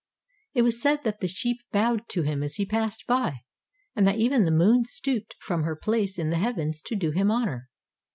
It was said that the sheep bowed to him as he passed by, and that even the moon stooped from her place in the heav ens to do him honor.